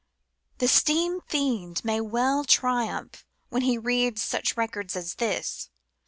The Steam Fiend may well triumph when he reads such records as this.